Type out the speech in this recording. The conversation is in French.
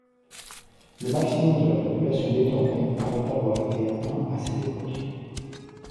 Le maximum de la population d'Étormay paraît avoir été atteint à cette époque.